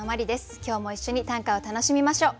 今日も一緒に短歌を楽しみましょう。